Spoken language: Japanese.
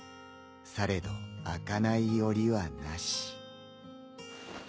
されど開かないおりはなし。